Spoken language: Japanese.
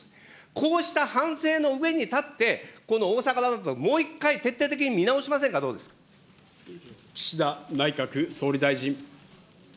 こうした反省のうえに立って、この大阪万博、もう一回、徹底的に岸田内閣総理大臣。